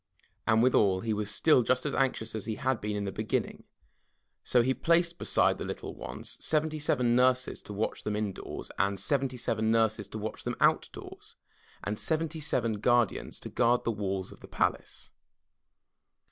And, withal, he was just as anxious as he had been in the beginning, so he placed beside the little ones seventy seven nurses to watch them indoors and seventy seven nurses to watch them out doors, and seventy seven guardians to guard the walls of the palace.